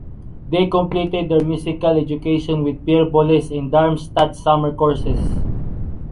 They completed their musical education with Pierre Boulez, in Darmstadt Summer Courses.